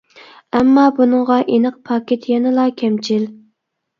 ئەمما بۇنىڭغا ئېنىق پاكىت يەنىلا كەمچىل.